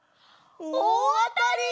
おおあたり！